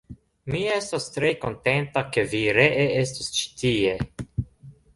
Mi estas tre kontenta, ke vi ree estas ĉi tie.